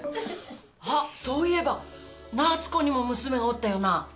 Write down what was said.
あっそういえば夏子にも娘がおったよな。